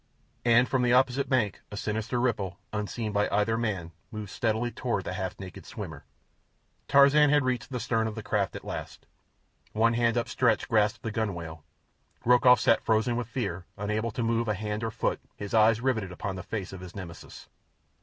And from the opposite bank a sinister ripple, unseen by either man, moved steadily toward the half naked swimmer. Tarzan had reached the stern of the craft at last. One hand upstretched grasped the gunwale. Rokoff sat frozen with fear, unable to move a hand or foot, his eyes riveted upon the face of his Nemesis.